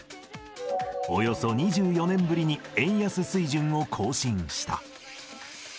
およそ２４年ぶりに円安水準を更新した。